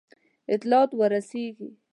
اطلاعات ورسیږي.